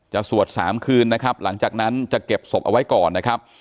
สวด๓คืนนะครับหลังจากนั้นจะเก็บศพเอาไว้ก่อนนะครับ